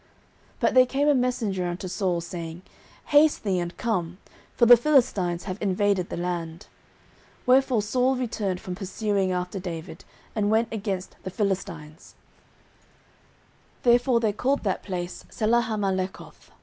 09:023:027 But there came a messenger unto Saul, saying, Haste thee, and come; for the Philistines have invaded the land. 09:023:028 Wherefore Saul returned from pursuing after David, and went against the Philistines: therefore they called that place Selahammahlekoth.